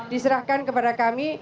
diserahkan kepada kami